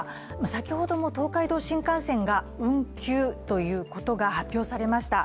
先ほども東海道新幹線が運休ということが発表されました。